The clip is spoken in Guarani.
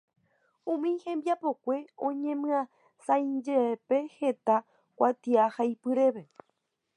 Umi hembiapokue oñemyasãijepe heta kuatiahaipyrépe.